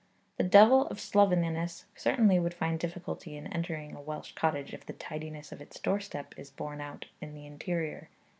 The devil of slovenliness certainly would find difficulty in entering a Welsh cottage if the tidiness of its doorstep is borne out in the interior.